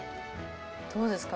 どうですか？